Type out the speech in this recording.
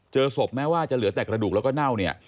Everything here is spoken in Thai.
เจอศพแม้ว่าจะเหลือแต่กระดูกแล้วก็เน่าเนี่ย